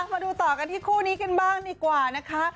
มาดูต่อกันที่คู่นี้กันบ้างดีกว่านะคะ